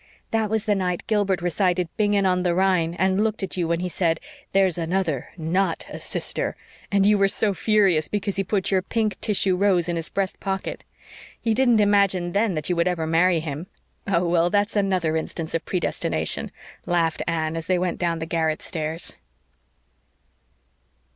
"That was the night Gilbert recited 'Bingen on the Rhine,' and looked at you when he said, 'There's another, NOT a sister.' And you were so furious because he put your pink tissue rose in his breast pocket! You didn't much imagine then that you would ever marry him." "Oh, well, that's another instance of predestination," laughed Anne, as they went down the garret stairs.